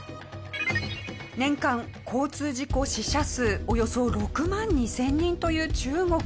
年間交通事故死者数およそ６万２０００人という中国。